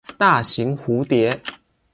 大型蝴蝶。